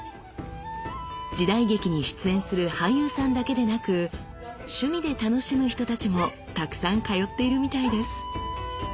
時代劇に出演する俳優さんだけでなく趣味で楽しむ人たちもたくさん通っているみたいです。